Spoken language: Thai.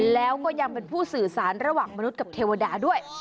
แล้วก็ยังเป็นผู้สื่อสารระหว่างมนุษย์กับเทวดาด้วย